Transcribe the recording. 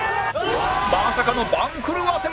まさかの番狂わせも！